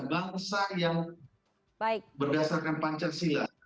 bangsa yang berdasarkan pancasila